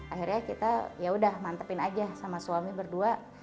akhirnya kita yaudah mantepin aja sama suami berdua